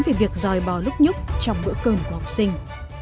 về việc dòi bò lúc nhúc trong bữa cơm của học sinh